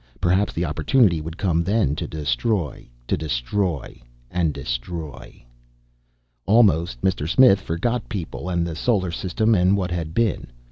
Perhaps the opportunity would come then to destroy, to destroy, and destroy. Almost, Mr. Smith forgot people and the solar system and what had been.